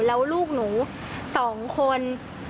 แล้วลูกหนู๒คน